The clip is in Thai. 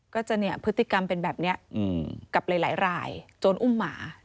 ก็จะเนี่ยพฤติกรรมเป็นแบบนี้กับหลายรายโจรอุ้มหมา